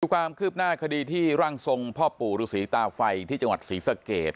ความคืบหน้าคดีที่ร่างทรงพ่อปู่ฤษีตาไฟที่จังหวัดศรีสะเกด